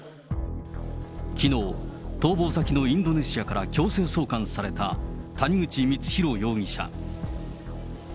きのう、逃亡先のインドネシアから強制送還された、谷口光弘容疑者。